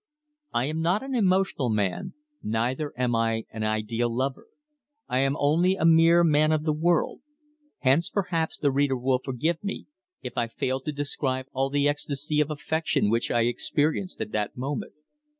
I am not an emotional man, neither am I an ideal lover. I am only a mere man of the world. Hence perhaps the reader will forgive me if I fail to describe all the ecstasy of affection which I experienced at that moment.